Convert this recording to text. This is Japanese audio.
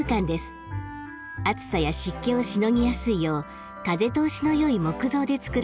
暑さや湿気をしのぎやすいよう風通しのよい木造で造られています。